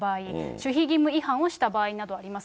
守秘義務違反をした場合などあります。